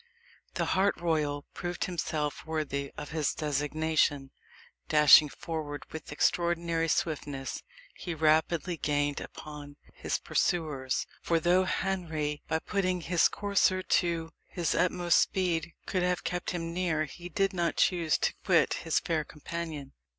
The hart royal proved himself worthy of his designation. Dashing forward with extraordinary swiftness, he rapidly gained upon his pursuers for though Henry, by putting his courser to his utmost speed, could have kept near him, he did not choose to quit his fair companion.